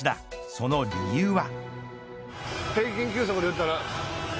その理由は。